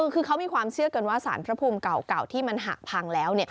คือเขามีความเชื่อกันว่าสารพระภูมิเก่าที่มันหักพังแล้ว